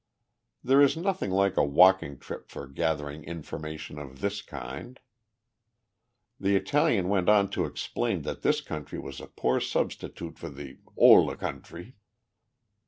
There is nothing like a walking trip for gathering information of this kind. The Italian went on to explain that this country was a poor substitute for the "ol a country."